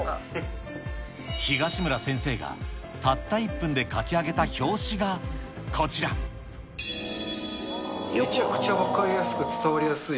東村先生がたった１分で描きめちゃくちゃ分かりやすく、伝わりやすい。